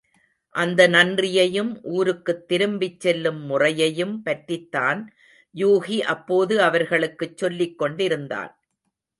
அந்த நன்றியையும் ஊருக்குத் திரும்பிச் செல்லும் முறையையும் பற்றித்தான் யூகி அப்போது அவர்களுக்குச் சொல்லிக் கொண்டிருந்தான்.